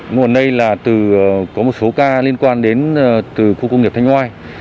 nguồn nây là có một số ca liên quan đến khu công nghiệp thanh oai